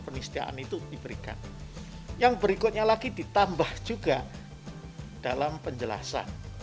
penistiaan itu diberikan yang berikutnya lagi ditambah juga dalam penjelasan